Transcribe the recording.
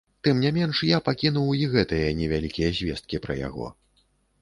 Тым не менш, я пакінуў і гэтыя невялікія звесткі пра яго.